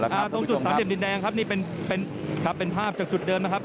ตรงจุดสารเหลี่ยมดินแดงครับนี่เป็นภาพจากจุดเดิมนะครับ